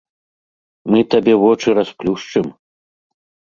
Мы табе вочы расплюшчым!